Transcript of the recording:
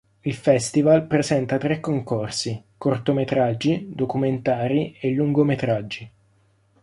Il festival presenta tre concorsi: cortometraggi, documentari e lungometraggi.